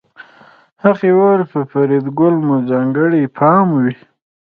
هغه وویل په فریدګل مو ځانګړی پام وي